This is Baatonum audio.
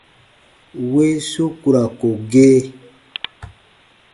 Weesu ku ra ko gee.